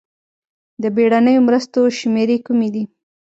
د بېړنیو مرستو شمېرې کومې دي؟